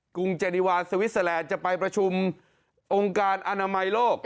รุงเจนิวาสวิสเตอร์แลนด์จะไปประชุมองค์การอนามัยโลก